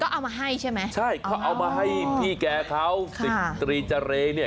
เอามาให้ใช่ไหมใช่เขาเอามาให้พี่แกเขาสิบตรีเจรเนี่ย